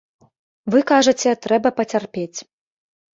Вы кажаце, трэба пацярпець.